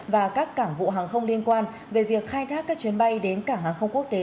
và các cảng vụ hàng không liên quan về việc khai thác các chuyến bay đến cảng hàng không quốc tế